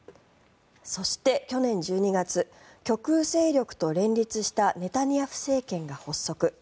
そして、去年１２月極右勢力と連立したネタニヤフ政権が発足。